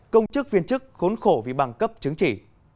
công chức viên chức khốn khổ vì bằng cấp chứng chỉ